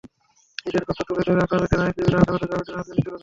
ঈদের কথা তুলে ধরে আসামিদের আইনজীবীরা আদালতে জামিনের আরজি তুলে ধরেন।